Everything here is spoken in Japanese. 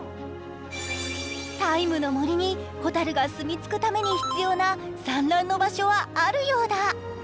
「ＴＩＭＥ，の森」にほたるが住みつくために必要な産卵の場所はあるようだ。